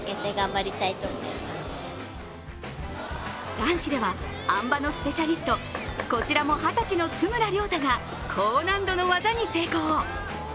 男子では、あん馬のスペシャリストこちらも二十歳の津村涼太が高難度の技に成功。